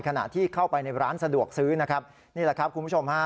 ขณะที่เข้าไปในร้านสะดวกซื้อนะครับนี่แหละครับคุณผู้ชมฮะ